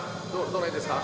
どの辺ですか？」